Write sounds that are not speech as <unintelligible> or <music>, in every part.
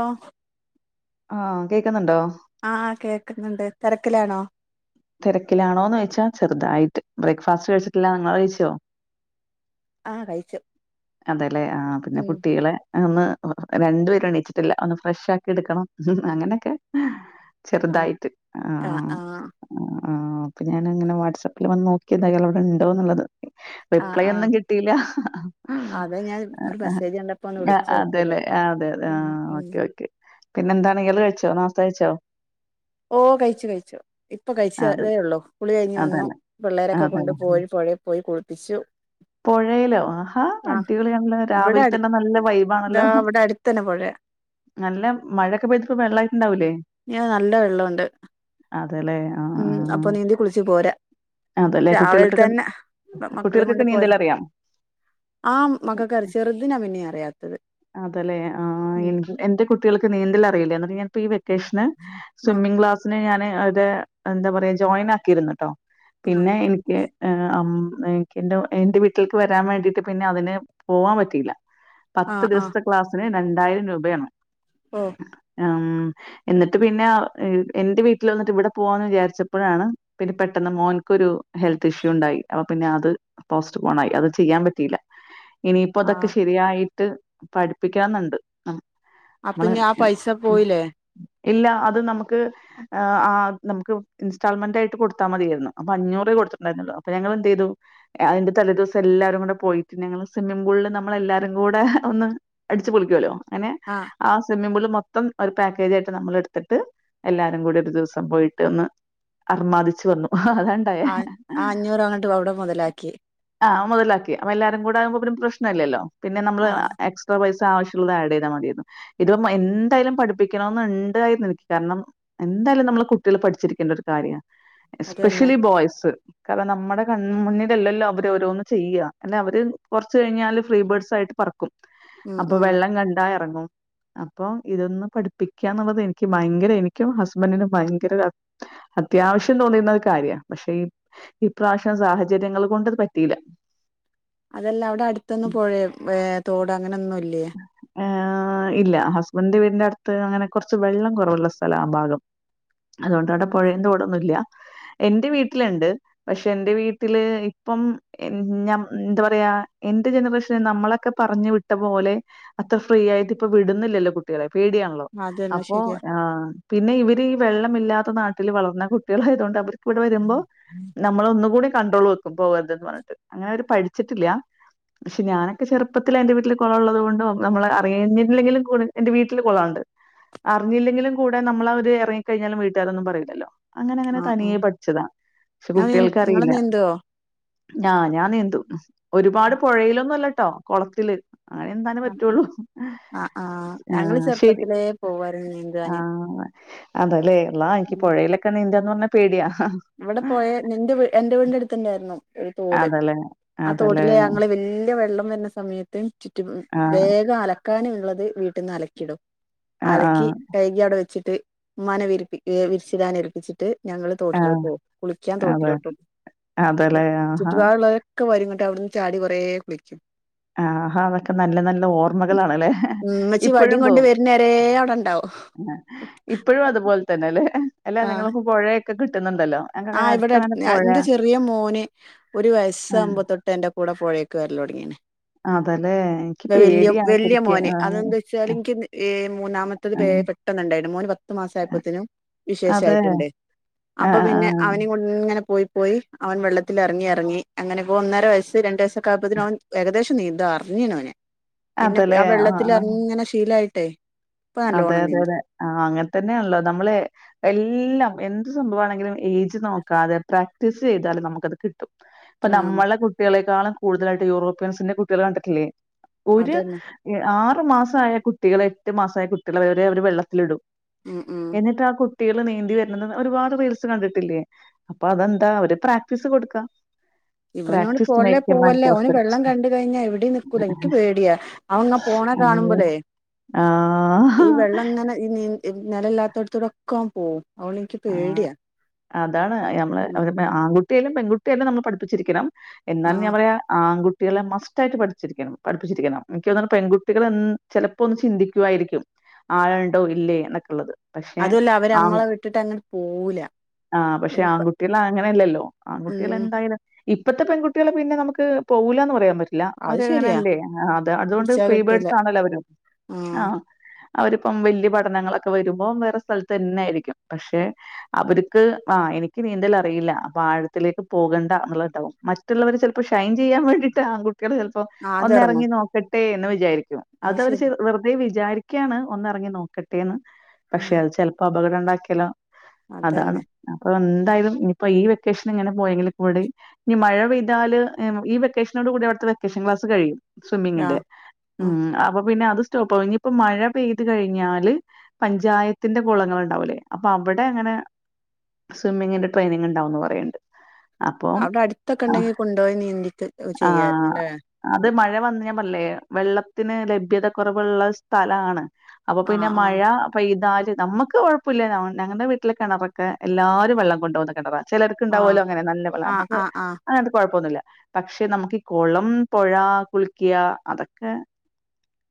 ഓ ആ കേക്കുന്നുണ്ടോ? ആ കേക്കുന്നുണ്ട് തെര്ക്കിലാണോ? തിരക്കിലാണോന്ന് ചോദിച്ചാ ചെറുതായിട്ട് ബ്രേക്ക്ഫാസ്റ്റ് കഴിച്ചിട്ടില്ലാ നിങ്ങൾ കഴിച്ചോ? ആ കഴിച്ചു അതെലെ ആ പിന്നെ ഉം കുട്ടികളെ ഒന്ന് രണ്ടു പേരും എണീച്ചിട്ടില്ല ഒന്ന് ഫ്രഷാക്കി എടുക്കണം മം അങ്ങനെയൊക്കെ അം, ചെറുതായിട്ട് ആ ആഹ് ആ ആഹ് അപ്പൊ ഞാനങ്ങനെ വാട്സആപ്പിൽ വന്ന് നോക്കിയതാ ഇയാളവിടെ ഇണ്ടോ എന്നുള്ളത് ആ റിപ്ലൈ ആ ഒന്നും കിട്ടില്ല അതാ ഞാൻ ഒരു മെസ്സേജ് കണ്ടപ്പോ ഒന്ന് ഞ്ഞ വിളിച്ചു നോക്കിയത് അതെല്ലേ ആ അതെ അതെ ആ ഓക്കെ ഓക്കെ പിന്നെ എന്താണെങ്കില കഴിച്ചോ നാസ് കഴിച്ചോ? ഓ കഴിച്ചു കഴിച്ചു ഇപ്പൊ അതെ കഴിച്ചതേ ഉള്ളൂ കുളി കഴിഞ്ഞ് വന്നു അതന്നെ പിള്ളേരൊക്കെ അതന്നെ കൊണ്ട് പോയി പോഴെ പോയി കുളിപ്പിച്ചു പുഴയിലോ ആഹാ ആ അടിപൊളി ആണല്ലോ ഇവിടെ രാവിലെ അടു തന്നെ നല്ല ഇതാ വൈബാണല്ലോ ഇവിടെ അടുത്തന്നെ പോഴയാ നല്ല മഴയൊക്കെ പെയ്തിട്ട് വെള്ളായിട്ട്ണ്ടാവൂലെ ഉണ്ട് വെള്ളഉണ്ട് അതെലെ ഉം അപ്പൊ നീന്തി കുളിച്ച് പോരാ അതേല്ലേ. രാവിലെ കുട്ടികൾക്കൊക്കെ തന്നെ മക്കളേം കൊണ്ട് കുട്ടികൾക്കൊക്കെ പോയാലോ നീന്തലറിയാം? ആഹ് മകക്കറിം ചെറ്തിനാ പിന്നേം അറിയാത്തത് അതെലേ ഉം ആഹ് എന്റെ കുട്ടികൾക്ക് നീന്തൽ അറിയില്ല എന്നിട്ട് ഞാൻ ഇപ്പ ഈ വെക്കേഷന് ആ സ്വിമ്മിങ് ക്ലാസിന് ഞാന് അത് എന്താ പറയാ ജോയിൻ ആക്കിയിര്ന്ന്ട്ടോ പിന്നെ എനിക്ക് ഏഹ് അം എനിക്ക് എന്റെ എന്റെ വീട്ടിൽക്ക് വരാൻ വേണ്ടിട്ട് പിന്നെ അതിന് പോവാം പറ്റീല ആ ആ പത്ത് ആ ദിവസത്തെ ക്ലാസിന് രണ്ടായിരം രൂപയാണ് ഓഹ് ആഹ് എന്നിട്ട് പിന്നെ എന്റെ വീട്ടിൽ വന്നിട്ട് ഇവിടെ പോവാന്ന് വിചാരിച്ചപ്പോഴാണ് പിന്നെ പെ ട്ടെന്ന് മോന്ക്കൊരു ഹെൽത്ത് ഇഷ്യൂ ഉണ്ടായി അപ്പൊ പിന്നെ അത് പോസ്റ്റ് പോൺ ആയി അത് ചെയ്യാൻ പറ്റീല ഇനിയിപ്പോ ആ ഇതൊക്കെ ശരിയായിട്ട് പഠിപ്പിക്കണം ന്ന്ണ്ട് അപ്പഞ്ഞ് ആ പൈസ പോയിലേ ഇല്ല അത് നമുക്ക് ഏഹ് ആഹ് നമുക്ക് ഇൻസ്റ്റാൾമെന്റ് ആയിട്ട് കൊട് ത്താമതീന്ന് അപ്പൊ അഞ്ഞൂറേ കൊടുത്ത്ണ്ടായിരുന്നൊള്ളു അപ്പ ഞങ്ങള് എന്ത് ചെയ്തു അതിന്റെ തലേ ദിവസം എല്ലാരും കൂടെ പോയിട്ട് ഞങ്ങള് സ്വിമ്മിംഗ് പൂളില് നമ്മളെല്ലാരും കൂടെ ഒന്ന് അടിച്ച് പൊളിക്കുവല്ലോ അങ്ങനെ ആഹ് ആ സ്വിമ്മിംഗ് പൂള് മൊത്തം ഒരു പാക്കേജായിട്ട് നമ്മൾ എടുത്തിട്ട് എല്ലാരും കൂടി ഒരു ദിവസം പോയിട്ട് ഒന്ന് അർമാദിച്ചു വന്നു അതാണ് ആഹ് അഞ് ആ അഞ്ഞൂറ് അങ്ങട്ട് അവിടെ മൊതലാക്കി. ആഹ് മൊതലാക്കി അപ്പ എല്ലാരും കൂടെ ആകുമ്പോ പിന്നെ പ്രശ്നല്ലല്ലോ പിന്നെ നമ്മള് എക്സ് ട്ര പൈസ ആവശ്യമുള്ളത് ആഡ് ചെയ്താൽ മതിയാര്ന്നു ഇതിപ്പ എന്തായാലും പഠിപ്പിക്കണൊന്ന് ഉണ്ടായിരുന്നു എനിക്ക് കാരണം എന്തായാലും നമ്മള് കുട്ടികൾ പഠിച്ചിരിക്കേണ്ട ഒരു കാര്യാണ് അതന്നെ എസ്പെഷ്യലി ബോയ്സ് കാരണം നമ്മടെ കൺ മുന്നിലല്ലല്ലോ അവര് ഓരോന്ന് ചെയ്യ എന്നെ അവര് കൊറ്ച്ച് കഴിഞ്ഞാല് ഫ്രീ ബേർഡ്സ് ആയിട്ട് പറക്കും ഉം അപ്പൊ ഉം വെള്ളം കണ്ടാ എറങ്ങും. അപ്പം ഇതൊന്ന് പഠിപ്പിക്കാന്നുള്ളത് എനിക്ക് ഭയങ്കര എനിക്കും ഹസ്ബന്റിനും ഭയങ്കര ഒരാ അത്യാവശ്യം ച്ചും തോന്നീന്ന ഒരു കാര്യ പക്ഷെ ഇപ്രാവശ്യം സാഹചര്യങ്ങൾ കൊണ്ടത് പറ്റിയില്ല. അതല്ലാ അവിടെ അടുത്തൊന്നും പൊഴേ തോടോ അങ്ങനൊന്നും ഇല്ല്യേ ഏഹ് ആഹ് ആഹ് ഇല്ല ഹസ്ബന്റെ വീടിന്റെ അട്ത്ത് അങ്ങനെ കൊറച്ച് വെള്ളം കൊറവുള്ള സ്ഥലം ആ ഭാഗം അതോണ്ട് അവിടെ പൊഴേം തോടൊന്നുല്ല എന്റെ വീട്ട്ല്ണ്ട് പക്ഷെ എന്റെ വീട്ടില് ഇപ്പം ഞം എന്താ പറയാ എന്റെ ജനറേഷന് നമ്മളൊക്കെ പറഞ്ഞു വിട്ട പോലെ അത്ര ഫ്രീ ആയിട്ട് ഇപ്പ വിടുന്നില്ലല്ലോ കുട്ടികളെ പേടിയാണല്ലോ അതന്നെ അപ്പോ ശരിയാ ആഹ് പിന്നെ ഇവര് ഈ വെള്ളമില്ലാത്ത നാട്ടിൽ വളർന്ന കുട്ട്യളായതോണ്ട് അവര് ഇവിടെ വരുമ്പോ നമ്മള് ഒന്നും കൂടി കണ്ട്രോൾ വെക്കും പോകരുത് ന്ന് പറഞ്ഞിട്ട് അങ്ങനെ അവര് പഠിച്ചിട്ടില്ല പക്ഷെ ഞാനൊക്കെ ചെറുപ്പത്തിലെ എന്റെ വീട്ടില് കൊളം ഉള്ളത് കൊണ്ടോ നമ്മള് അറിയഞ്ഞില്ലെങ്കിലും എന്റെ വീട്ടില് കൊള ഉണ്ട് അറിഞ്ഞില്ലെങ്കിലും കൂടെ നമ്മള് ആ ഒര് എറങ്ങി കഴിഞ്ഞാലും വീട്ട്കാരൊന്നും പറയില്ലല്ലോ അങ്ങനെ അങ്ങനെ ആ തനിയെ ആ പഠിച്ചതാ പക്ഷെ നിങ്ങള് കുട്ടികൾക്കറിയില്ല. നീന്തുവോ ഞാ ഞാൻ നീന്തും ഒരുപാട് ആ പൊഴയിലൊന്നു അല്ലട്ടോ കൊളത്തില് അങ്ങനെ നീന്താ നെ പറ്റൊള്ളൂ ആ ആ ഞങ്ങള് ആഹ് ശെരി ചെറുപ്പത്തിലേ പോവായിരുന്നു നീന്താന് ആഹ് ന്നാ അതേലേ അള്ളാ എനിക്ക് ഉം പൊഴയിലൊക്കെ നീന്താന്ന് പറഞ്ഞാ പേടിയാ. ഇവിടെ പോയ നിന്റെവീ എന്റെ വീടിനടുത്തുതന്നായിരുന്നോ. ഒരു തോട് അതല്ലേ ആ അതല്ലേ തോട്ടില് ഞങ്ങള് വല്യ വെള്ളം വന്ന സമയത്ത് ചുറ്റും ആഹ് വേഗം അലക്കാനുള്ളത് വീട്ടിന്ന് അലക്കിയിടും ആഹ് അലക്കി ആഹ് കഴുകി അവിടെ വെച്ചിട്ട് ഉമ്മാനെ വിരിപ്പി വിരിച്ചിടാൻ എപ്പിച്ചിട്ട് ഞങ്ങള് തോട്ടിലോട്ട് ആഹ് പോവും കുളിക്കാൻ അതെ തോട്ടിലോട്ട് അതല്ലേ ആഹാ. ചുറ്റുപാടുള്ളവര് ഒക്കെ വരുങ്ങട്ടോ അവിടന്ന് ചാടി കൊറേകുളിക്കും. ആഹാ അതൊക്കെ നല്ല നല്ല ഓർമ്മകളാണല്ലേ ഇപ്പോഴും പോകും. വരെ അവിടൊണ്ടാവും. ഇപ്പഴും അതുപോലെതന്നെയല്ലെ അല്ല നിങ്ങളിപ്പോ പൊഴയൊക്കെ കിട്ടുന്നൊണ്ടല്ലോ. ആ ഇവിടെ അടുത്ത് എന്റെ ചെറിയമോന് ഒരു ആ. വയസ്സാകുമ്പോ തൊട്ട് എന്റെ കൂടെ പൊഴേക്കു വരലോടങ്ങീയാണ് അതേല്ലേ? എനിക്ക് വെ വലൃ പേടിയാണ് ശെരിക്ക്. വലൃമോന് ആ, അതെന്തുച്ചാല് എനിക്ക് ഏ മൂന്നാമത്തത് ആ. വേ പെട്ട് പെട്ടെന്നൊണ്ടായി മോനു പത്തു മാസമായപ്പോത്തേനും അതെ. വിശേഷായിട്ടൊണ്ട് ആ, അപ്പൊ ആ, ആ. പിന്നെ അവനും ഇങ്ങനെ പോയി പോയി അവൻ വെള്ളത്തിലെറങ്ങി എറങ്ങി അങ്ങനിപോ ഒന്നരവയസ്സ് രണ്ടുവയസ്സ് കാപത്തിനും അവൻ ഏകദേശം നീന്താൻ അറിഞ്ഞീനു അവന് പിന്നെ അതേല്ലേ? ആ ആ. വെള്ളത്തിലെറങ്ങിയിങ്ങനെ ശീലായിട്ടെ. അതെ അതെ അതെ ആ അങ്ങനെ തന്നെയാണല്ലോ നമ്മളെ എല്ലാം എന്തുസംഭവമാണെങ്കിലും ഏജ് നോക്കാതെ പ്രാക്ടീസ് ചെയ്താലും നമുക്കത് കിട്ട് ഇപ്പൊ ആഹ് നമ്മളെ കുട്ടികളെക്കാളും കൂടുതലായിട്ട് യൂറോപ്യൻസിന്റെ കുട്ടികള് കണ്ടിട്ടില്ലേ. ഒരു അതന്നെ ആറുമാസായ കുട്ടികളെ എട്ടുമാസായ കുട്ടികളെ വരെ അവര് വെള്ളത്തിലിടും ഉം ഉം എന്നിട്ട് ആ കുട്ടികള് നീന്തി വരുന്നത് ഒരുപാടു റീൽസ് കണ്ടിട്ടില്ലേ അപ്പൊ അതെന്താ അവര് പ്രാക്ടീസ് കൊടുക്കാ ഇവനോട് പോവല്ലേ പോവല്ലേ ഓന് പെർഫെക്റ്റ് വെള്ളം കണ്ടുകഴിഞ്ഞാ എവിടേയും നിക്കൂല എനിക്കുപേടിയാ അവനെന്നാ പോണ കാണുമ്പഴേ ആ ഈ വെള്ളം ഇങ്ങനെ ഈ നി നെലയില്ലാത്തടത്തോടെക്കെ അവൻ പോകും അതുകൊണ്ടെനിക്ക് ആ അതാണ് ഉം നമ്മള് ആൺകുട്ടിയാലും പെൺകുട്ടിയാലും നമ്മൾ പഠിപ്പിച്ചിരിക്കണം എന്നാലും ആഹ് ഞാൻ പറയാ ആൺകുട്ട് കുട്ടികളെ മസ്റ്റായിട്ട് പഠിച്ചിരിക്കണം പഠിപ്പിച്ചിരിക്കണം എനിക്ക് തൊന്നുന്നെ പെൺകുട്ടികളെ എന്ന് ചെലപ്പോ ഒന്നു ചിന്തിക്കുവായിരിക്കും ആളൊണ്ടോ ഇല്ലേ എന്നൊക്കെയുള്ളത് പക്ഷെ ആ ഇട്ടിട്ടങ്ങോട് പോവൂല്ല ആ പക്ഷെ ആൺകുട്ടികള് അങ്ങനെയല്ലല്ലോ ആൺകുട്ടികള് ഉം എന്തായാലും ഇപ്പത്തെ പെൺകുട്ടികള് പിന്നെ നമ്മുക്ക് പോകൂല്ലാ എന്നുപറയാൻ പറ്റും അല്ലാ അത് ശരിയാ അവരങ്ങനെയല്ലേ അതെ അതുകൊണ്ട് പിടിച്ചാ ഫ്രീ കിട്ടൂല ബേർഡ്സ് ആണല്ലോ അവരും ആ ആഹ് അവരിപ്പം വലൃ പഠനങ്ങളൊക്കെ വരുമ്പോ വേറെ സ്ഥലത്ത് തന്നെയായിരിക്കും പക്ഷെ അവർക്ക് ആ എനിക്ക് നീന്തൽ അറിയില്ല അപ്പൊ ആഴത്തിലേക്ക് പോകണ്ട എന്നുള്ളതാവും മ മറ്റുള്ളവര് ചെലപ്പോ ഷൈൻ ചെയ്യാൻ വേണ്ടിട്ട് ആൺകുട്ടികള് അപ്പൊ ആ അതെറങ്ങും ഒന്നെറങ്ങി നോക്കട്ടെ എന്നുവിചാരിക്കും അത് അതവര് ശരി ശെ വെറുതെ വിചാരി ക്കാണ് ഒന്നെറങ്ങി നോക്കട്ടേന്ന് ആ പക്ഷെ അതുചെലപ്പോ അപകടം ഉണ്ടാക്കിയാലോ അതാണ് അതന്നെ അപ്പൊ എന്തായാലും ഇനിയിപ്പൊ ഈ വെക്കേഷനിങ്ങനെ പോയെങ്കിലുകൂടി ഇനി മഴപെയ്താല് ഈ വെക്കേഷനോടു കൂടി അവിടത്തെ വെക്കേഷൻ ക്ലാസുകഴിയും ആ സ്വിമ്മിങ്ങിന്റെ ആ ഉം അപ്പൊ പിന്നെ അതുസ്റ്റോപ്പാവും ഇനിയിപ്പം മഴ പെയ്തുകഴിഞ്ഞാല് പഞ്ചായത്തിന്റെ കുളങ്ങള് ഉണ്ടാവൂലേ അപ്പോ അവിടെയങ്ങനെ സ്വിമ്മിങ്ങിന്റെ ട്രെയിനിങ്ങുണ്ടാവൂന്ന് പറയണ്ട് അപ്പം അവിടെ അടുത്തൊക്കെയുണ്ടെങ്കി കൊണ്ടോയി നീന്തിച്ച് ചെയ്യായിരുന്നു ആഹ് അല്ലേ അത് മഴ വന്ന് ഞാൻ പറഞ്ഞില്ലേ വെള്ളത്തിന് ലഭ്യത കുറവുള്ള സ്ഥലാണ് അപ്പൊ ആ പിന്നെ ആ മഴ പെയ്താല് നമ്മുക്ക് കൊഴപ്പ വില്ല ഞങ്ങടെ വീട്ടിലെ കിണറൊക്കെ എല്ലാരും വെള്ളം കൊണ്ട് പോകുന്ന കിണറാ ചിലർക്ക് ആ ഉണ്ടാവുമല്ലോ അങ്ങനെ നല്ല വെള്ള ആ നമുക്ക് ആ ആ അങ്ങനത്തെ കുഴപ്പൊന്നുമില്ല പക്ഷെ നമുക്ക് ഈ കുളം പുഴ കുളിക്കുക അതൊക്കെ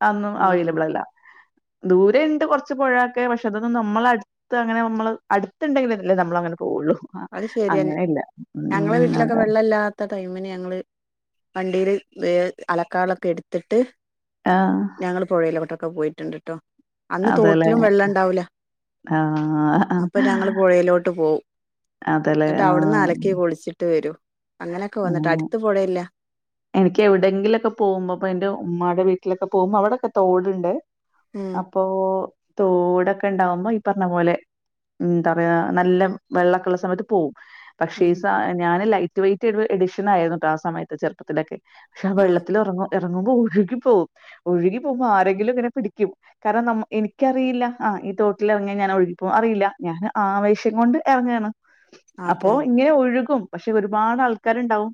അതൊന്നും ഉം അവൈലബിൾ അല്ല ദൂരെ ഉണ്ട് കുറച്ച് പുഴൊക്കെ പക്ഷെ അതൊന്ന് നമ്മളടു ത്ത് അങ്ങനെ നമ്മള് അടുത്തുണ്ടെങ്കിലല്ലേ നമ്മള്ക്ക് അങ്ങനെ പോകുള്ളു ആ അത് ശരിയന്നെ അങ്ങനില്ല ഉം അത് ഇത്ത ടൈമിന് ഞങ്ങള് വണ്ടിയില് അലക്കാനുള്ളതൊക്കെ എടുത്തിട്ട് ആഹ് ഞങ്ങള് പുഴയിലോട്ടൊക്കെ പോയിട്ടുണ്ട് കേട്ടോ അന്ന് അതെല്ലേ തോട്ടിലും വെള്ളം ഇണ്ടാവൂല അപ്പൊ ആഹ് ഞങ്ങള് പുഴയിലോട്ട് പോവും അതേല്ലേ. എന്നിട്ട് അവിടുന്ന് ആഹ്. അലക്കി കുളിച്ചിട്ട് വരും അങ്ങനെയൊക്കെ വന്നിട്ട് ആഹ്. അടുത്ത് പുഴയില്ല എനിക്ക് എവിടെയങ്കിലൊക്കെ പോകുമ്പോ ഇപ്പോ എന്റെ ഉമ്മായുടെ വീട്ടിലൊക്കെ പോകുമ്പോ അവിടൊക്കെ തോടുണ്ട് ഉം അപ്പൊ തോടൊക്കെ ഇണ്ടാവുമ്പോ ഈ പറഞ്ഞ പോലെ എന്താ പറയാ നല്ല വെള്ളമൊക്കെ ഉള്ള സമയത്ത് പോവും പക്ഷേ ഈ ഉം സ ഞാന് ലൈറ്റ് വെയിറ്റ് എഡിഷൻ ആയിരുന്നു കേട്ട് ആഹ് സമയത്ത് ചെറുപ്പത്തിലൊക്കെ പക്ഷെ ആഹ് ആ വെള്ളത്തിൽ ഇറങ്ങ് ഇറങ്ങുമ്പോൾ ഒഴുകി പോകും ഒഴുകി പോകുമ്പോ ആരെങ്കിലും ഇങ്ങനെ പിടിക്കും കാരണം ന എനിക്കറിയില്ല ആഹ് ഈ തോട്ടിലിറങ്ങിയാ ഞാൻ ഒഴുകിപ്പോകും അറിയില്ല ഞാൻ ആവേശം കൊണ്ട് ഇറങ്ങുവാണ് അപ്പോ അതെ ഇങ്ങനെ ഒഴുകും പക്ഷെ ഒരുപാട് ആൾക്കാരുണ്ടാവും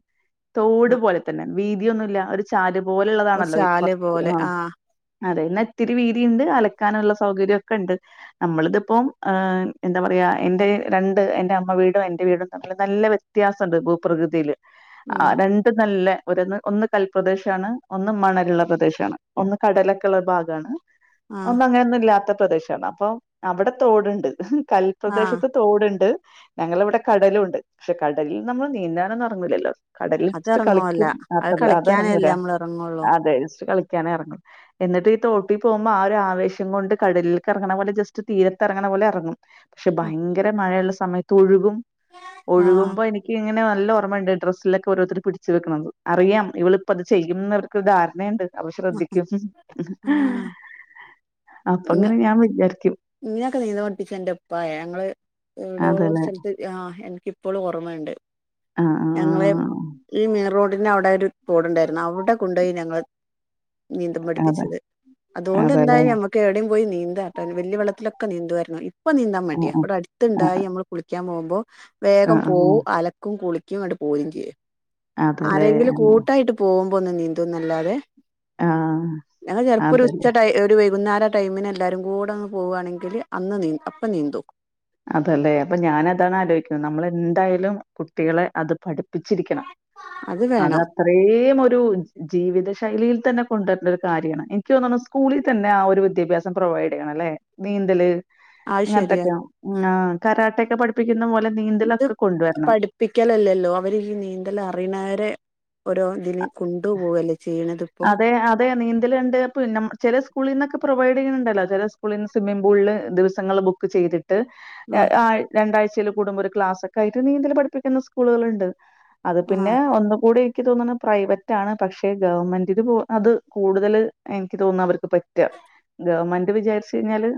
ആ തോട് പോലെ വീതിയൊന്നുമില്ല ഒരു ചാല് ഒരു പോലുള്ളതാണല്ലോ ചാല് കൊറച്ച് പോലെ ആഹ് ആ അതെ ഇന്ന ഇത്തിരി വീതി ഉണ്ട് അലക്കാനുള്ള സൗകര്യം ഒക്കെ ഉണ്ട് നമ്മളിതിപ്പോം എന്താ പറയാ എന്റെ രണ്ട് എന്റെ അമ്മ വീടും എന്റെ വീടും തമ്മില് നല്ല വ്യ ത്യാസുണ്ട് ഭൂപ്രകൃതിയിൽ ഉം ആഹ് രണ്ട് നല്ല ഒരൊന്ന് ഒന്ന് കൽപ്രദേശമാണ് ഒന്ന് മണലുള്ള പ്രദേശമാണ് ഒന്ന് കടലൊക്കെള്ള ഒരു ഭാഗമാണ് ആഹ് ഒന്ന് അങ്ങനൊന്നും ഇല്ലാത്ത പ്രദേശമാണ് അപ്പൊ അവിടെ തോടുണ്ട് ആഹ് കൽപ്രദേശത്ത് തോടുണ്ട് ഞങ്ങളിവിടെ കടലും ഉണ്ട് പക്ഷെ കടലിൽ നമ്മൾ നീന്താനൊന്നും ഇറങ്ങൂല്ലല്ലോ കടലിൽ ഇച്ചിരി അതെറങ്ങൂല കളിക്കും അത് മാത്രല്ല അല്ലാതെ ഇറങ്ങൂല കളിക്കാനല്ലേ നമ്മള് എറങ്ങുള്ളൂ അതെ ജസ്റ്റ്‌ കളിക്കാന് ഇറങ്ങും എന്നിട്ട് ഈ തോട്ടി പോവുമ്പോ ആഹ് ഒരാവേശം കൊണ്ട് കടലിലേക്ക് ഇറങ്ങണ പോലെ ജസ്റ്റ് തീരത്തെറങ്ങണ പോലെ എറങ്ങും പക്ഷെ ഭയങ്കര മഴയുള്ള സമയത്ത് ഒഴുകും ആഹ് ഒഴുകുമ്പോ എനിക്ക് ഇങ്ങന നല്ല ഓർമ്മയുണ്ട് ഡ്രെസ്സിലൊക്കെ ഓരോരുത്തര് പിടിച്ച് വെക്കണത് അറിയാം ഇവളിപ്പൊ അത് ചെയ്യും എന്നവർക്ക് ഒരു ധാരണയുണ്ട് അപ്പൊ ശ്രദ്ധിക്കും ആഹ് അപ്പൊ അങ്ങനെ ഞാൻ വിചാരിക്കും എന്നെയൊക്കെ നീന്താ പഠിപ്പിച്ചെ എന്റെ ഉപ്പായ ഞങ്ങള് എവടോ ഒരു അതേല്ലേ. സ്ഥലത്ത് ആഹ് എനക്കിപ്പോളും ഓർമയുണ്ട് ആഹ് ആഹ് ഞങ്ങളെ ഈ മെയിൻ റോഡിന്റെ അവിടെ ഒരു തോട് ഉണ്ടായിരുന്നു അവിടെ കൊണ്ടോയി ഞങ്ങളെ നീന്താൻ ആ. അതെ. പഠിപ്പിച്ചത് അതുകൊണ്ട് അതേല്ലേ. എന്തായി നമ്മുക്ക് എവിടെയും പോയി നീന്താട്ട വലിയ വെള്ള ലോക്കെ നീന്തുവായിരുന്നു ഇപ്പൊ നീന്താൻ ആ, മടിയ ആ. ഇവിടെ ആ, അടുത്തുണ്ടായി നമ്മള് കുളിക്കാൻ പോവുമ്പോ ആ, വേഗം ആ. പോവും അലക്കും കുളിക്കും ഇങ്ങട്ട് പോരേം ചെയ്യും അതേല്ലേ. ആരെങ്കിലും കൂട്ടായിട്ട് പോവുമ്പോ ഒന്നു നീന്തു എന്നല്ലാതെ ആ. ഞങ്ങള് ചെലപ്പോ ഒരു അതേല്ലേ. ഉച്ച ടൈ ഒരു വൈകുന്നേര ടൈമിന് എല്ലാരും കൂടെ അങ്ങ് പോവാണെങ്കിൽ അന്ന് നീന്തും അപ്പം നീന്തും അതെല്ലേ അപ്പൊ ഞാനതാണ് ആലോയിക്കുന്നത് നമ്മളെന്തായാലും കുട്ടികളെ അത് പഠി പ്പിച്ചിരിക്കണം അത് അത്രയും ഒരു ജീവിത ശൈലിയിൽ തന്നെ കൊണ്ടുവരണ്ട ഒരു കാര്യമാണ് എനിക്ക് തോന്നണു സ്കൂ സ്കൂളി തന്നെ ആഹ് ഒരു വിദ്യാഭ്യാസം പ്രൊവൈഡ് ചെയ്യണം അല്ലെ നീന്തല് അത് ശരിയാ ഇങ്ങനത്തൊക്കെ ആഹ് കരാട്ടൊക്കെ പഠിപ്പിക്കുന്ന പോലെ നീന്തലൊക്കെ കൊണ്ടുവരണം പ്പിക്കലല്ലല്ലോ അവര് ഈ നീന്തൽ അറിയണവരെ ഓരോ ഇതിന് കൊണ്ടു പോവല്ലേ ചെയ്യണത് ഇപ്പോ അതെ അ അതെ നീന്തലുണ്ട് പിന്ന ചില സ്കൂളിന്നൊക്കെ പ്രൊവൈഡ് ചെയ്യുന്നുണ്ടല്ലോ ചില സ്കൂളിന്ന് സ്വിമ്മിംഗ് പൂളില് ദിവ സങ്ങൾ ബുക്ക് ചെയ്തി ട്ട് ആഹ് രണ്ടാഴ്ചയിൽ കൂടുമ്പോ ഒരു ക്ലാസ്സൊക്കെ ആയിട്ട് നീന്തല് പഠിപ്പിക്കുന്ന സ്കൂളുകളുണ്ട് അത് പിന്നെ ആഹ് ഒന്ന് കൂടി എനിക്ക് തോന്നുണു പ്രൈവറ്റ് ആണ് പക്ഷെ ഗവൺമെന്റ് ഇത് അത് കൂടുതല് എനിക്ക് തോന്നണു അവർക്ക് പറ്റുക ഗവൺമെന്റ് വിചാരിച്ച് കഴിഞ്ഞാല്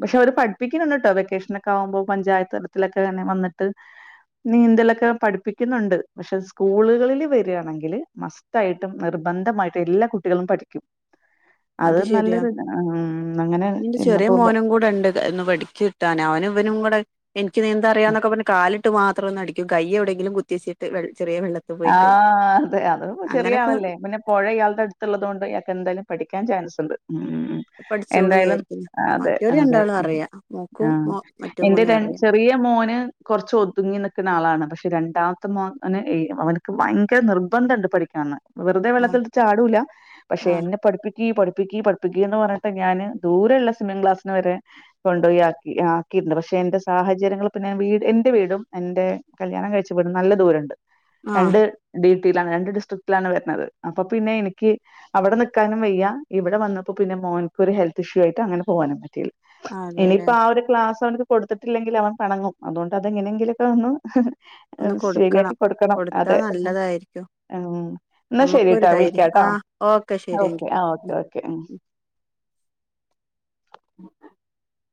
പക്ഷെ അവര് പഠിപ്പിക്കണ് ഉണ്ട് കേട്ടോ വെക്കേഷനൊക്കെ ആവുമ്പോ പഞ്ചായത്ത് തലത്തിലൊക്കെങ്ങനെ വന്നിട്ട് നീന്തലൊക്കെ പഠിപ്പിക്കുന്നുണ്ട് പക്ഷെ സ്കൂളുകളിൽ വരിയാണെങ്കില് മസ് റ്റായിട്ടും നിർബന്ധമായിട്ടും എല്ലാ കുട്ടികളും പഠിക്കും അത് നല്ലൊരു ഇതാ അങ്ങനെ ഇന്റെ ചെറിയ ഇരുന്നപ്പോ പ മോനും കൂടെ ഉണ്ട് ഒന്ന് പടിച്ചു കിട്ടാന് അവനും ഇവനും കൂടെ എനിക്ക് നീന്താറിയാന്നൊക്കെ പറഞ്ഞ് കാലി ട്ട് മാത്രം ഒന്ന് അടിക്കും കയ്യ് എവിടെയെങ്കിലും കുത്തി വെച്ചിട്ട് ചെറിയ വെള്ള ആഹ് അതെ അത് ചെറിയ ആളല്ലേ പിന്നെ പുഴ ഇയാൾടെ അടുത്തുള്ളത് കൊണ്ട് ഇയാക്ക് എന്തായാലും പഠിക്കാൻ ചാൻസ് ഉണ്ട് ഉം പഠിച്ചോളൂ എന്തായാലും വിചാരിക്കുന്നു അതെ മറ്റോര് അതെ രണ്ടാളും അറിയാ മോക്കും ആഹ് മോ മറ്റേ എന്റെ മോനും ടെൻ അറിയാം ചെ റിയ മോന് കൊറച്ച് ഒതുങ്ങി നിക്കണ ആളാണ് പക്ഷെ രണ്ടാമത്തെ മോൻ അങ്ങ് ഏ അവനക്ക് ഭയങ്കര നിർബന്ധണ്ട് പഠിക്കണന്ന് വെറുതെ ആഹ് വെള്ളത്തിൽ എടുത്ത് ചാടൂല്ല പക്ഷെ ആഹ് എന്നെ പഠിപ്പി ക്ക് പഠിപ്പിക്ക് പഠിപ്പിക്ക് എന്ന് പറഞ്ഞിട്ട് ഞാൻ ദൂരെയള്ള സിമ്മിംഗ് ക്ലാസിന് വരെ കൊണ്ടുപോയി ആക്കി ആക്കിണ്ട് പക്ഷെ എന്റെ സാഹചര്യങ്ങൾ പിന്നെ വീട് എന്റെ വീടും എന്റെ കല്യാണം കഴിച്ച വീടും നല്ല ദൂരണ്ട് ആഹ് രണ്ട് ഡിറ്റിലാണ് രണ്ട് ഡിസ്ട്രിക്റ്റിലാണ് വരുന്നത് അപ്പൊ പിന്നെ എനിക്ക് അവിടെ നിക്കാനും വയ്യാ ഇവിടെ വന്നപ്പോ പിന്നെ മോൻക്ക് ഒരു ഹെൽത്ത് ഇഷ്യൂ ആയിട്ട് അങ്ങനെ പോവാനും പറ്റിയില്ല അതെല്ലേ ഇനിയിപ്പൊ ആഹ് ഒരു ക്ലാസ് അവനക്ക് കൊടുത്തിട്ടില്ലെങ്കിൽ അവൻ പെണങ്ങും അതുകൊണ്ട് അത് എങ്ങനെങ്കിലൊക്കെ ഒന്ന് ഒന്ന് ശരിയാക്കി കൊടുക്കണം കൊടുക്കണം കൊടുത്താ അതെ നല്ലതായിരിക്കും ഉം എന്നാ നമുക്കൊരു ശെരിട്ടാ ധൈര്യം വിളിക്കാട്ടോ ആഹ് ഓക്കെ ശരി എങ്കി ഓക്കെ ആഹ് ഓക്കേ ഓക്കേ ഉം <unintelligible>